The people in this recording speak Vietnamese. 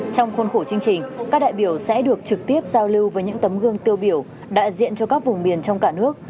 trong khuôn khổ chương trình các đại biểu sẽ được trực tiếp giao lưu với những tấm gương tiêu biểu đại diện cho các vùng miền trong cả nước